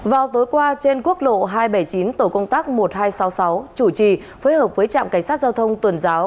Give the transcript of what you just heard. vào tối qua trên quốc lộ hai trăm bảy mươi chín tổ công tác một nghìn hai trăm sáu mươi sáu chủ trì phối hợp với trạm cảnh sát giao thông tuần giáo